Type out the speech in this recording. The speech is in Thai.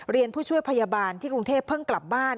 ผู้ช่วยพยาบาลที่กรุงเทพเพิ่งกลับบ้าน